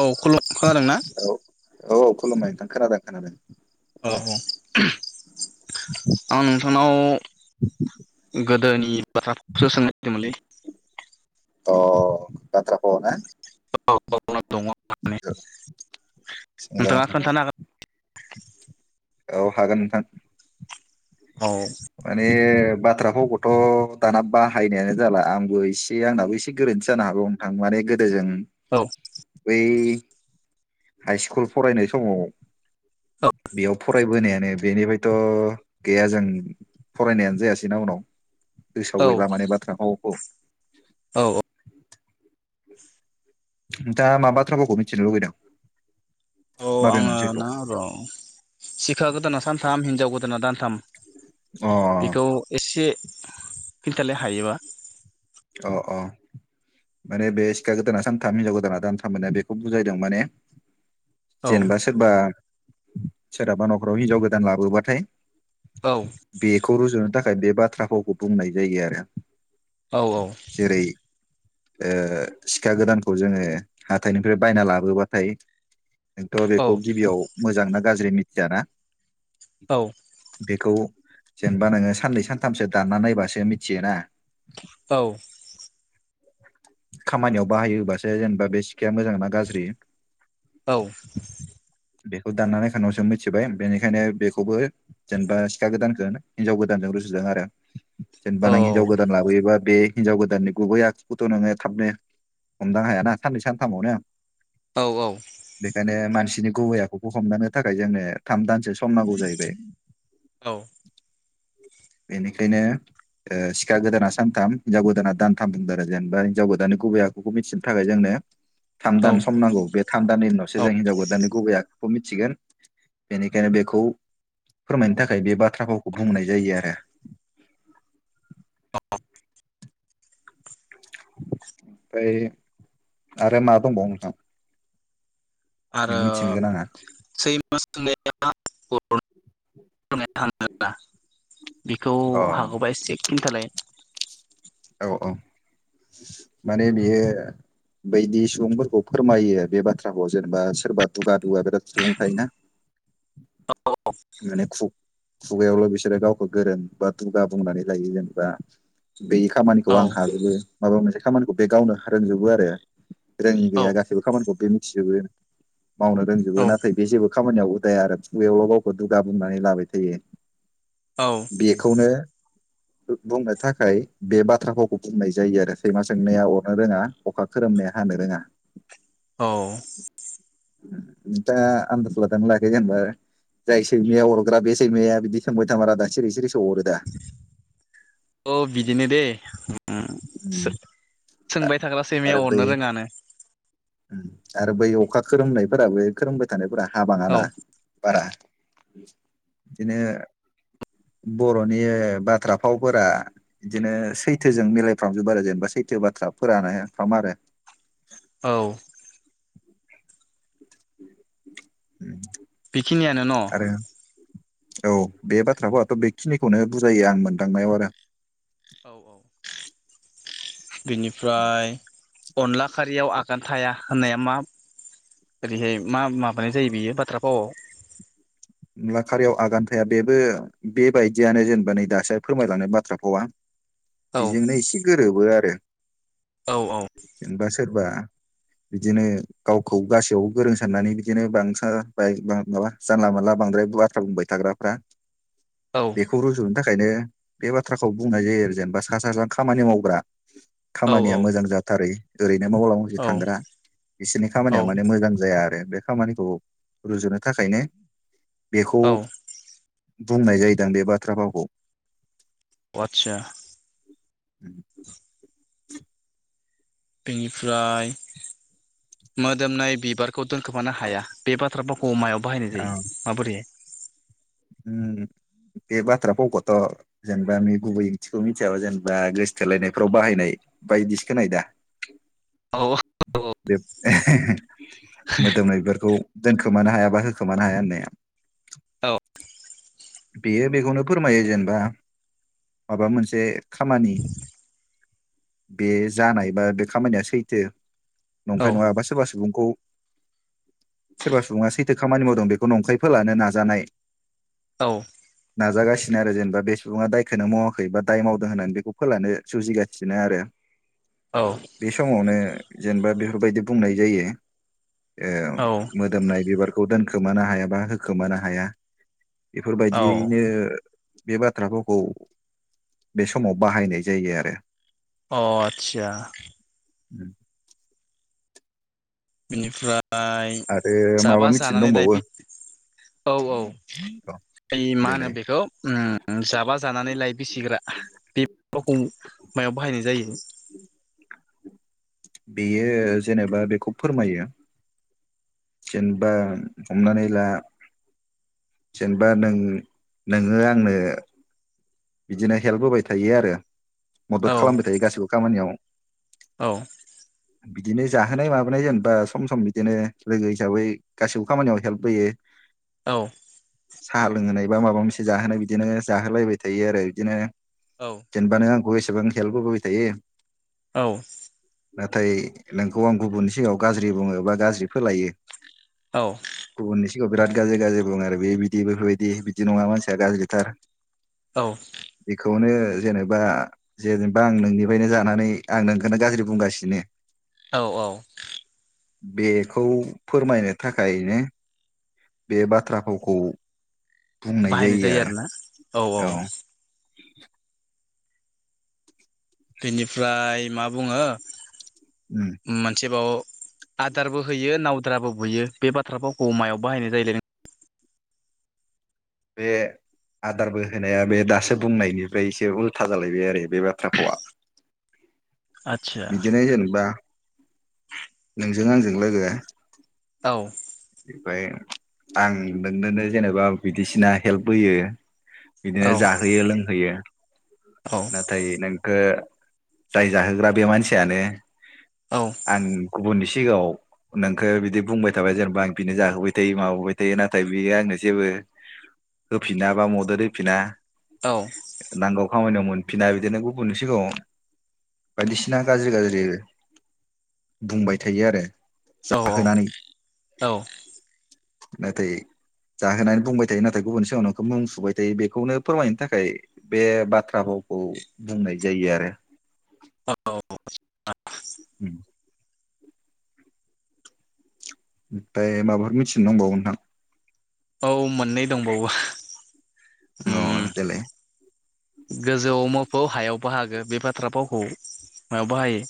औ खुलु खोनादों ना औ औ खुलुमबाय नोंथां खोनादों खोनादों औ औ आं नोंथांनाव गोदोनि बाथ्राफोरखौसो सोंनो नागिरदोंमोनलै अ बाथ्रा फाव ना औ दङ [unintelligible] नोंथाङा सोंजागोन नोंथां खोन्थानो हागोन औ हागोन नोंथां औ माने बाथ्रा भावखौथ दाना बाहायनायानो जाला आंबो एसे आंनाबो एसे गोर रोनथि जानो हागौ नोंथां माने गोदोजों औ बि हाइ सकुल फरायनाय समाव बेयाव फरायबोनायानो बेनिफ्रायथ गैया जों फरायनायानो जायासैना उनाव गोसोआव गैला माने बाथ्रा भावखौ औ औ नोंथाङा मा बाथ्रा भावखौ मिथिनो लुुबैदों औ माबे आङो मोनसेखौ ना र सिखा गोदाना सानथाम हिनजाव गोदाना दानथाम अ बेखौ एसे खिन्थालाय हायोबा अ अ माने बे सिखा गोदाना सानथाम हिनजाव गोदाना दानथाम मोना बेखौ बुजायदों माने औ जेनेबा सोरबा सोरहाबा नखराव हिनजाव गोदान लाबोबाथाय औ बेखौ रुजुनो थाखाय बे बाथ्रा भावखौ बुंनाय जायो आरो औ औ जेरै ओ सिखा गोदानखौ जोङो हाथाइनिफ्राय बायना लाबोबाथाय थ औ बेखौ गिबियाव मोजां ना गाज्रि मिथियाना औ खौ जेनेबा नोङो साननै सानथामसो दानना नायबासो मिथियोना औ खामानियाव बाहायोबासो जेनेबा बे सिखाया मोजां ना गाज्रि औ बेखौ दानना नायखांनायनि उनावसों मिथिबाय बेनिखायनो बेखौबो जेनेबा सिखा गोदान दान हिनजाव गोदानजों रुजुदों आरो जेनेबा नों हिजाव गोदान लाबोयोबा बे हिनजाव गोदाननि गुबैयाखौथ नोङो थाबनो हमदां हायाना साननै सानथामावनो औ बेखायनो मानसिनि गुबै आखुखौ हमदांनो थाखाय जोंनो थाम दान सम नांगौ जाहैबाय बेनिखायनो ओ सिखा गोदाना सानथाम हिनजाव गोदाना दानथाम होनबाय आरो जेनेबा हिनजाव गोदाननि गुबै आखुखौ मिथिनो थाखाय जोंनो थाम औ दान सम नांगौ बे थाम दाननि उनाव सो जों हिनजाव गोदाननि गुबै आखुखौ मिथिगोन बेनिखायनो बेखौ फोरमायनो थाखाय बे बाथ्रा फावखौ बुंनाय जायो आरो ओमफाय आरो मा दंबावो नोंथां आरो नों मिथिनो गोनाङा सेैमा सोंनाया [unintelligible] बेखौ अ हागौबा एसे खिन्थालाय। अ माने बियो बैदि सुबुंफोरखौ फोरमायो बे बाथ्राखौ जेनेबा सोरबा दुगा दुगा बिराद सुबुं थायोना। माने खु खुगायावल' बिसोरो गावखौ गोरों बा दुगा बुंनानै लायो जेनेबा बे खामानिखौ औ आं हाजोबो माबा मोनसे खामानिखौ बे गावनो रोंजोबो आरो रोङि गैया गासैबो खामानिखौ बे मिथिजोबो मावनो रोंजोबो औ नाथाय बे जेबो खामानियाव उदाया खुगायावल' गावखौ दुगा बुंनानै लाबाय थायो। औ बेखौनो बुंनो थाखाय बे बाथ्रा फावखौ बुंनाय जायो आरो सैमा सोंनाया अरनो रोङा अखा खोरोमनाया हानो रोङा। औ दा आनदास लादोंना लायाखै जेनेबा जाय सैमाया अरग्रा बे सैमाया बिदि सोंबाय थामारा दा सिरि सिरि अ बिदिनो दे ओं सों-सोंबाय थाग्रा सैमाया आरो बै अरनो रोङा नो। आरो बै अखा खोरोमनायफोराबो खोरोमबाय थानायफोरा हाबाङा औ ना बारा। बिदिनो बर'नि बाथ्रा फावफोरा बिदिनो सैथोजों मिलायफ्रामजोबो आरो जेनेबा सै थो बाथ्रा फोरानो फ्रामआरो। औ उम बिखिनियानो न' औ बे बाथ्राखौ आंथ' बेखिनिखौनो बुजायो आं मोनदांनायाव आरो। औ औ बिनिफ्राय अनला खारियाव आगान थाया होननाया मा ओरैहाय मा माबाया जायो बियो बाथ्रा फावआव अनला खारियाव आगान थाया बेबो बेबायदियानो जेनेबा नै दासो फोरमायलांनाय बाथ्रा फावा। औ बेजोंनो एसे गोरोबो आरो औ जेनेबा सोरबा बिदिनो गावखौ गासैयावबो गोरों साननानै बिदिनो बांसारा बाय बां माबा जानला मानला बांद्राय बाथ्रा बुंबाय थाग्राफ्रा औ बेखौ रुजुनो था खायनो बे बाथ्राखौ बुंनाय जायो आरो जेनेबा सा सा ज्रां खामानि मावग्रा खामानिया मोजां जाथारै ओरै नो मावला मावलि औ थांग्रा बिसोरनि औ खामानिया माने मोजां जाया आरो। बे खामानिखौ रुजुनो थाखायनो बेखौ औ बुंनाय जायोदां बे बाथ्रा फावखौ। आदसा [inaudible] बेनिफ्राय मोदोमनाय बिबारखौ दोनखोमानो हाया बे बाथ्रा फावखौ मायाव बाहायनाय जायो माबोरैहाय ओम बे बाथ्रा भावखौथ' जेनेबा गुबै ओंथिखौ मिथियाबा जेनेबा गोसोथोलायनायफ्राव बाहायनाय बायदिसो खोनायो दा। औ बे मोदोमनाय बिबारखौ दोनखोमानो हाया बा होखोमानो हाया होननाया। औ बेयो बेखौनो फोरमायो जेनेबा माबा मोनसे खामानि बे जानाय बा बे खामानिया सैथो औ नंखाय नङाबा सोरबा सुबुं खौ सोरबा सुबुङा सैथो खामानि मावदों बेखौ नंखाय फोलानो नाजानाय औ जागासिनो आरो जेनेबा बे सुबुङा दायखौनो मावाखै बा दाय मावदों होननानै बेखौ फोलानो सुजिगासिनो आरो। औ बे समावनो जेनेबा बेफोर बायदि बुंनाय जायो। ओ औ मोदोमनाय बिबारखौ दोनखोमानो हायाबा होखोमानो हाया। औ बेफोरबायदियैनो बे बाथ्राफावखौ बे समाव बाहायनाय जायो आरो। अ' आथसा उम बेनिफ्राय आरो माबा जाबा मिथिनो जानानै दंबावो दायफि औ औ औ ओइ मा होनो देलाय बेखौ उम जाबा जानानै लायबिसिग्रा बे फावखौ मायाव बाहायनाय जायो? [inaudible] बेयो जेनेबा बेखौ फोरमायो। जेनबा हमनानै ला। जेनेबा नों नोङो आंनो बिदिनो हेल्प होबाय थायो आरो। मदद औ खालामबाय थायो गासिबो खामानियाव औ बिदिनो जाहोनाय माबोनाय जेनबा सम सम बिदिनो लोगो हिसाबै गासिबो खामानियाव हेल्प होयो। औ साहा लोंहोनाय बा माबा मोनसे जाहोनाय बिदिनो जाहोलायबाय थायो आरो। बिदिनो औ जेनेबा नों आंखौ एसेबां हेलप होबोबाय थायो। औ नाथाय नोंखौ आं गुबुननि सिगाङाव गाज्रि बुङो बा गाज्रि फोलायो। औ गुबुननि सिगाङाव बिराद गाज्रि गाज्रि बुंङो आरो। बे बिदि बेफोरबायदि बिदि नङा मानसिया गाज्रिथार। औ बेखौनो ओ जेनेबा जेनेबा आं नोंनिफ्रायनो जानानै आं नोंखौनो गाज्रि बुंगासिनो। औ औ बेखौ फोरमायनो थाखायनो। बे बाथ्रा फावखौ बुंनाय बाहायनाय जायो आरो। आरोना औ औ [inaudible] बेनिफ्राय मा बुङो उम मोनसेबाव आदारबो होयो नावद्राबो बुयो? बे बाथ्राफावखौ मायाव बाहायनाय जायोलै। बे आदारबो होनाया बे दासो बुंनायनिफ्राय एसे उल्था जालायबाय आरो बे बाथ्राफावआ। नों आदसा बिदिनो जेनेबा नोंजों आंजों लोगो औ फाय आं नोंनोनो जेनेबा बिदिसिना हेल्प होयो। बिदिनो औ जाहोयो लोंहोयो। औ नाथाय नोंखो जाय जाहोग्रा बे मानसियानो औ आं गुबुननिसि सिगाङाव नोंखो बिदि बुंबाय थाबाय जेनेबा बिनो जाहोबाय थायो माबोबाय थायो नाथाय बेयो आंनो जेबो होफिना बा मदद होफिना। औ नांगौ खामानियाव मोनफिना बिदिनो गुबुननि सिगांयाव बायदिसिना गाज्रि गाज्रि बुंबाय थायो आरो, औ जाहोनानै। औ नाथाय जाहोनानै बुंबाय थायो। नाथाय गुबुन सिगांयाव नोंखौ मुं सुबाय थायो। बेखौनो फोरमायनो थाखाय बे बाथ्रा भाव खौ बुंनाय जायो आरो। औ [unintelligible] [inaudible] ओमफाय माबाफोर मिथिनो दंबावो नोंथां? औ मोननै दंबावो। अ उम देलाय गोजौआव मोफौ हायाव बाहागो बे बाथ्रा फावखौ मायाव बाहायो?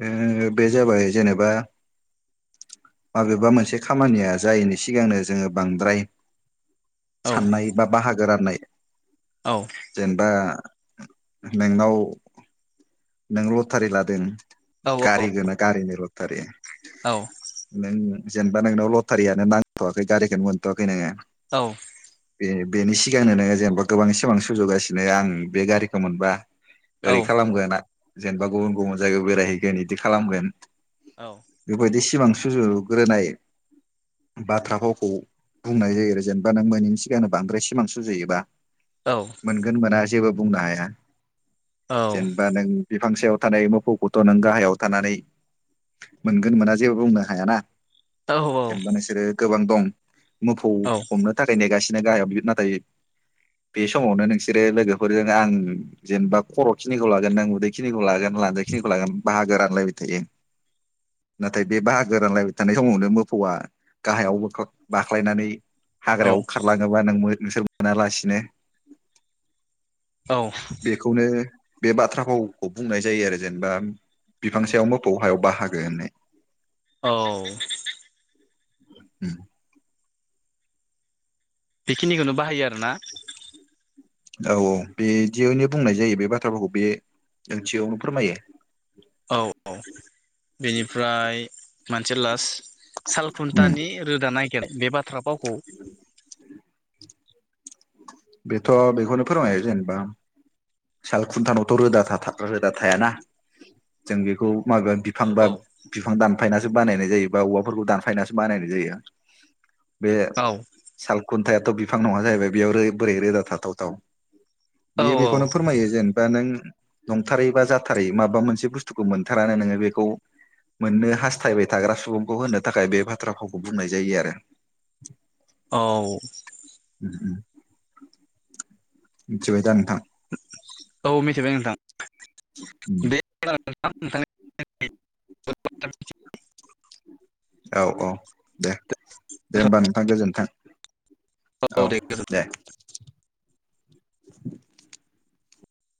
बे बे जाबाय जेनेबा माबेबा मोनसे खामानिया जायैनि सिगांनो जोङो बांद्राय औ साननाय बा बाहागो राननाय औ जेनेबा नोंनाव नों लटारि लादों औ गारि गोनां गारिनि लथारि औ नों जेनेबा नोंनाव लटारियानो नांथ'वाखै गारिखोनो मोनथ'आखै नोङो औ। बे बेनि सिगांनो नोङो जेनेबा गोबां सिमां सुजुगासिनो आं बे गारिखौ मोनबा औ ओरै खालामगोन आं जेनेबा गुबुन गुबुन जायगायाव बेरायहैगोन इदि खालामगोन औ बेबायदि सिमां सुजुग्रोनाय बाथ्रा फावखौ बुंनाय जायो आरो जेनेबा नों मोनैनि सिगांनो बांद्राय सिमां सुजुयोबा। औ मोनगोन मोना जेबो बुंनो हाया जेनेबा नों बिफां सायाव थानाय मोफौखौथ' नों गाहायाव थानानै मोनगोन मोना जेबो बुंनो हायाना। जेनेबा नोंसोरो गोबां दं। मोफौ हमनो थाखाय नेगासिनो गाहायाव बि नाथाय बे समावनो नोंसोरो लोगोफोरजों आं जेनेबा खर'खिनिखौ लागोन नों उदै खिनिखौ लागोन लानजाय खिनिखौ लागोन बाहागो रानलायबाय थायो। नाथाय बे बाहागो रानलायबाय थानाय समावनो मोफौआ गाहायावबो बाख्लायनानै औ हाग्रायाव खारलाङोबा नों नोंसोर मोनालासिनो औ बेखौनो बे बाथ्राफाव खौ बुंनाय जायो आरो जेनेबा बिफां सायाव मोफौ हायाव बाहागो होननाय। औ। [unintelligible] बेखिनिखौनो बाहायो आरोना? औ औ बिदियैनो बुंनाय जायो बे बाथ्राफोरखौ बे ओंथियावनो फोरमायो। औ बेनिफ्राय मोनसे लास्ट उम सालखुन्थानि रोदा नायगिर बे बाथ्रा फावखौ बेथ' बेखौनो फोरमायो जेनेबा साल खुन्थानावथ' रोदा रोदा [unintelligible] थायाना जों बेखौ मागोन बिफां औ बा औ बिफां दानफायना बानाइनाय जायो बा औवाफोरखौ दानफाइनानैसो बानाइनाय जायो बे औ साल खुन्थायाथ' बिफां नङा जाहैबाय बेयाव बोरै रोदा थाथावथाव बेयो औ खौनो फोरमायो जेनेबा नों नंथारै बा जाथारै माबा मोनसे बुस्थुखौ मोनथारानो नोङो बेखौ मोननो हास्थायबाय थाग्रा सुबुंखौ होनो थाखाय बे बाथ्रा फावखौ बुंनाय जायो आरो। औ। ओम मिथिबाय दा नोंथां? औ मिथिबाय नोंथां। उम। [unintelligible] औ औ दे दे होमबा नोंथां गोजोन्थों। औ दे।